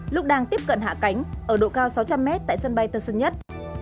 lúc đang tiếp cận hạ cánh ở độ cao sáu trăm linh m tại sân bay tân sơn nhất